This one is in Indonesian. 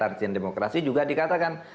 artinya demokrasi juga dikatakan